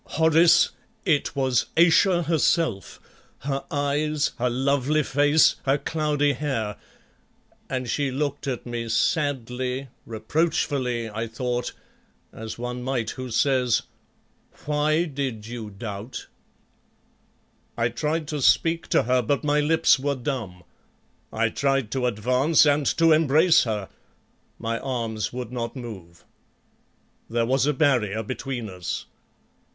"Horace, it was Ayesha herself, her eyes, her lovely face, her cloudy hair, and she looked at me sadly, reproachfully, I thought, as one might who says, 'Why did you doubt?' "I tried to speak to her but my lips were dumb. I tried to advance and to embrace her, my arms would not move. There was a barrier between us.